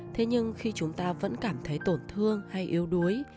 thế nhưng khi chúng ta vẫn cảm thấy tổn thương hay yếu đuối